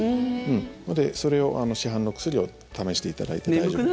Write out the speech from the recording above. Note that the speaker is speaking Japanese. なので、市販の薬を試していただいて大丈夫です。